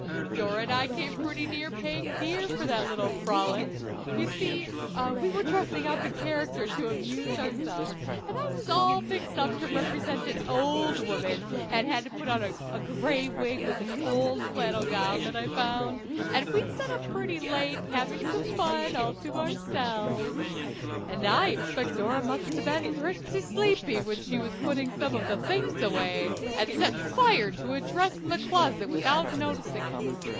Dora and I came pretty near paying dear for a little frolic. You see, we were dressing up in character to amuse ourselves, and I was all fixed up for to represent an old woman, and had put on a gray wig and an old flannel gown that I found, and we'd set up pretty late, having some fun all to ourselves; and I expect Dora must have been pretty sleepy when she was putting some of the things away, and set fire to a dress in the closet without noticing it.